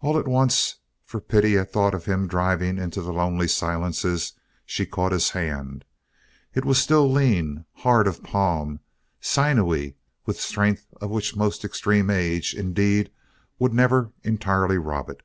All at once, for pity at thought of him driving into the lonely silences, she caught his hand. It was still lean, hard of palm, sinewy with strength of which most extreme age, indeed, would never entirely rob it.